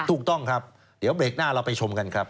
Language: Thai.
ถูกต้องครับเดี๋ยวเบรกหน้าเราไปชมกันครับ